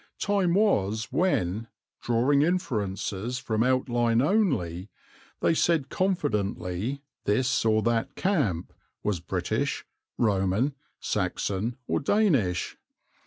Time was when, drawing inferences from outline only, they said confidently this or that camp was British, Roman, Saxon, or Danish.